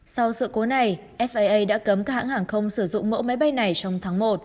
sau sự cố này faa đã cấm các hãng hàng không sử dụng mẫu máy bay này trong tháng một